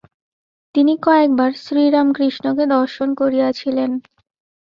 তিনি কয়েকবার শ্রীরামকৃষ্ণকে দর্শন করিয়াছিলেন।